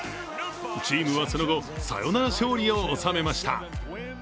チームはその後、サヨナラ勝利を収めました。